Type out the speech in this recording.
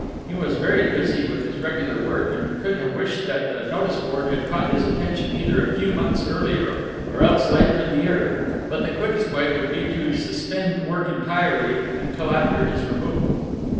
He was very busy with his regular work, and could have wished that the notice board had caught his attention either a few months earlier or else later in the year; but the quickest way would be to suspend work entirely until after his removal....